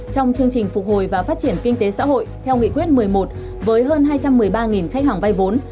trong chương trình phục hồi và phát triển kinh tế xã hội theo nghị quyết một mươi một với hơn hai trăm một mươi ba khách hàng vay vốn